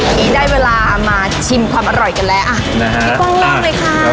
อันนี้ได้เวลามาชิมความอร่อยกันแล้วอ่ะนี่ความรอบไหมครับ